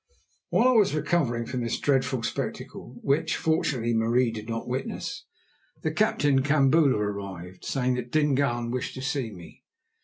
While I was recovering from this dreadful spectacle, which, fortunately, Marie did not witness, the captain Kambula arrived, saying that Dingaan wished to see me.